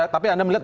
tapi anda melihat